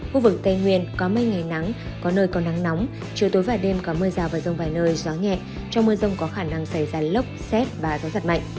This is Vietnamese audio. phía bắc có mây ngày nắng có nơi có nắng nóng chiều tối và đêm có mưa rào và rông vài nơi gió nhẹ trong mưa rông có khả năng xảy ra lốc xét và gió giật mạnh